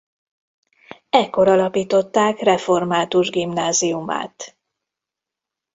Ekkor alapították református gimnáziumát.